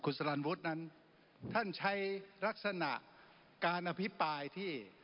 สลันวุฒินั้นท่านใช้ลักษณะการอภิปรายที่